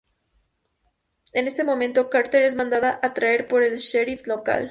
En ese momento, Carter es mandada a traer por el Sheriff local.